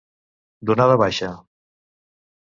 Donar de baixa.